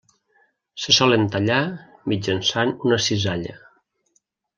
Se solen tallar mitjançant una cisalla.